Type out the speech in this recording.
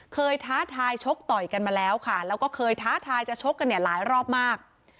ท้าทายชกต่อยกันมาแล้วค่ะแล้วก็เคยท้าทายจะชกกันเนี่ยหลายรอบมาก